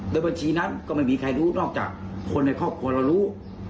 โดยบัญชีนั้นก็ไม่มีใครรู้นอกจากคนในครอบครัวเรารู้